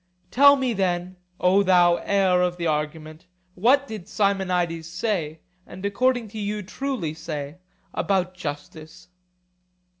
Tell me then, O thou heir of the argument, what did Simonides say, and according to you truly say, about justice?